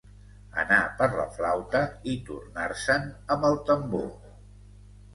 Anar per la flauta i tornar-se'n amb el tambor.